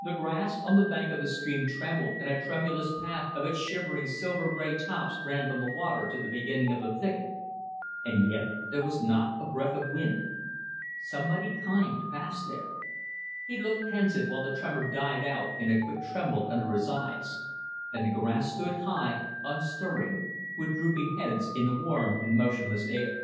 The grass on the bank of the stream trembled and a tremulous path of its shivering, silver grey tops ran from the water to the beginning of the thicket. And yet there was not a breath of wind. Somebody kind passed there. He looked pensive while the tremor died out in a quick tremble under his eyes; and the grass stood high, unstirring, with drooping heads in the warm and motionless air.